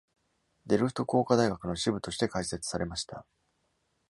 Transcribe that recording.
デルフト工科大学の支部として開設されました。